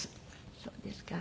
そうですか。